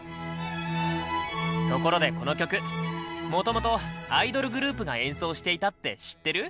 ところでこの曲もともとアイドルグループが演奏していたって知ってる？